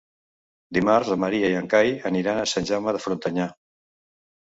Dimarts en Maria i en Cai aniran a Sant Jaume de Frontanyà.